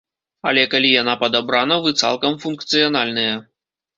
Але калі яна падабрана, вы цалкам функцыянальныя.